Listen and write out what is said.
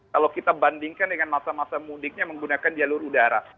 kalau kita bandingkan dengan masa masa mudiknya menggunakan jalur udara